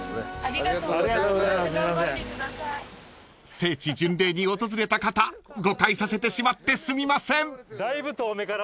［聖地巡礼に訪れた方誤解させてしまってすみません］